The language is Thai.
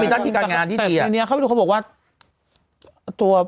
แต่ทีนี้เขาบอกว่า